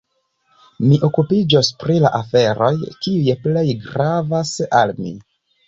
Mi okupiĝos pri la aferoj, kiuj plej gravas al mi.